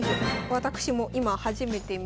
私も今初めて見ます。